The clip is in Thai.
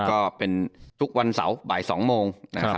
ก็เป็นทุกวันเสาร์บ่ายสองโมง